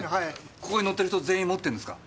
ここに載ってる人全員持ってんですか？